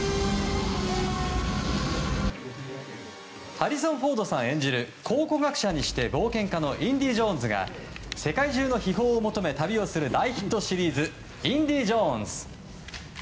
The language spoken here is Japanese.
ハリソン・フォードさん演じる考古学者にして冒険家のインディ・ジョーンズが世界中の秘宝を求め、旅をする大ヒットシリーズ「インディ・ジョーンズ」。